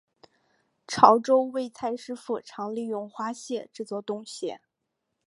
潮洲味菜师傅常利用花蟹制作冻蟹。